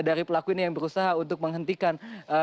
dari pelaku ini yang berusaha untuk menghentikan